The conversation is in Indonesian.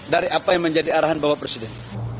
dari apa yang menjadi arahan bapak presiden